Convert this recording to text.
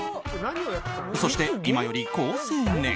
そして、今より好青年。